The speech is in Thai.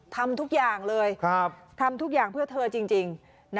ทำทุกอย่างเลยทำทุกอย่างเพื่อเธอจริง